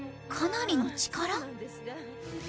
かなりの力？